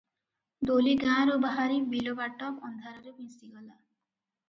ଡୋଲି ଗାଁରୁ ବାହାରି ବିଲବାଟ ଅନ୍ଧାରରେ ମିଶିଗଲା ।